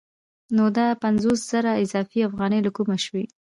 نو دا پنځوس زره اضافي افغانۍ له کومه شوې